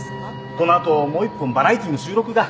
この後もう一本バラエティーの収録が。